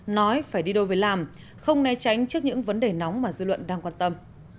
nói phải đi đôi với làm không né tránh trước những vấn đề nóng mà dư luận đang quan tâm